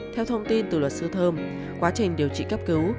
theo thông tin từ luật sư thơm quá trình điều trị cấp cứu